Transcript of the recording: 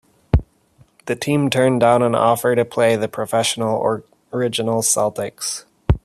The team turned down an offer to play the professional Original Celtics.